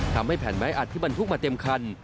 ทำให้แผ่นไม้อัดที่บรรทุกมาเต็มคัน